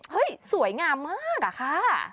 เฮ้ยสวยงามมากอ่ะค่ะ